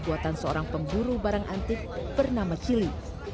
buatan seorang pemburu barang antik bernama cili